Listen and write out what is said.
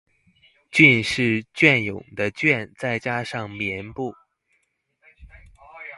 「寯」是雋永的「雋」再加上「宀」部